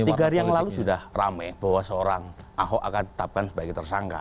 tiga hari yang lalu sudah rame bahwa seorang ahok akan tetapkan sebagai tersangka